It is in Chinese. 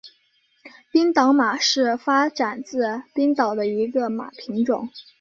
冰岛马是发展自冰岛的一个马品种。